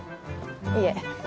いえ。